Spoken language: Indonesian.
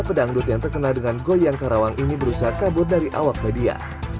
pedangdut yang terkenal dengan goyang karawang ini berusaha kabur dari awak media